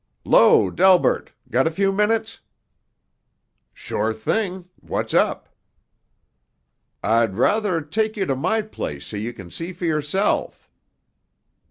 "'Lo, Delbert. Got a few minutes?" "Sure thing. What's up?" "I'd druther take you to my place so you can see for yourself."